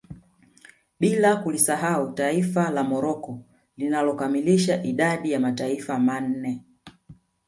Bila kulisahau taifa la Morocco linalo kamilisha idadi ya mataifa manne